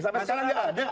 sampai sekarang gak ada